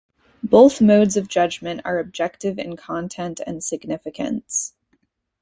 Both modes of judgment are objective in content and significance.